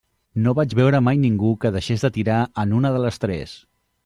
No vaig veure mai ningú que deixés de tirar en una de les tres.